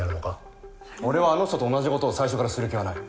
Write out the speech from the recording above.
俺はあの人と同じ事を最初からする気はない。